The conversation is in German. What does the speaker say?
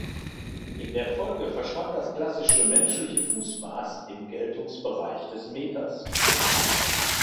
In der Folge verschwand das klassische menschliche Fußmaß im Geltungsbereich des Meters.